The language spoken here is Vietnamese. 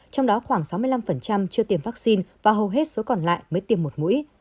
trong đó khoảng sáu mươi năm chưa tiêm vaccine và hầu hết số còn lại mới tiêm một mũi